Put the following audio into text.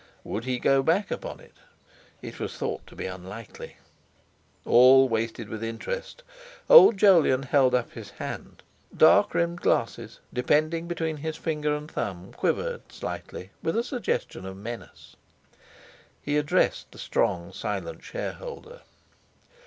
Would he go back upon it? It was thought to be unlikely. All waited with interest. Old Jolyon held up his hand; dark rimmed glasses depending between his finger and thumb quivered slightly with a suggestion of menace. He addressed the strong, silent shareholder.